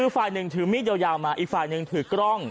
ฝ่ายหนึ่งถือมีดยาวมาอีกฝ่ายหนึ่งถือกล้อง